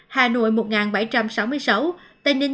hà nội một bảy trăm sáu mươi sáu tây ninh một bảy trăm sáu mươi sáu